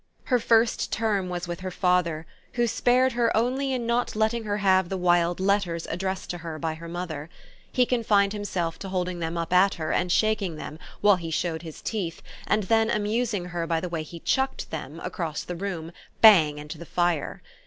Her first term was with her father, who spared her only in not letting her have the wild letters addressed to her by her mother: he confined himself to holding them up at her and shaking them, while he showed his teeth, and then amusing her by the way he chucked them, across the room, bang into the fire.